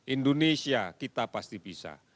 indonesia kita pasti bisa